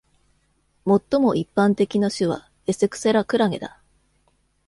最も一般的な種は「エセクセラ」クラゲだ。